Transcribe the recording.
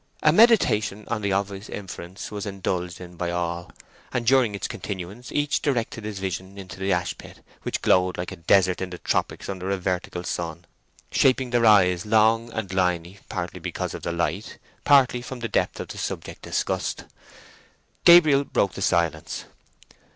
A meditation on the obvious inference was indulged in by all, and during its continuance each directed his vision into the ashpit, which glowed like a desert in the tropics under a vertical sun, shaping their eyes long and liny, partly because of the light, partly from the depth of the subject discussed. Gabriel broke the silence.